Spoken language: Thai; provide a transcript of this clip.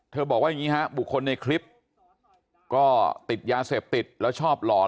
บอกว่าอย่างนี้ฮะบุคคลในคลิปก็ติดยาเสพติดแล้วชอบหลอน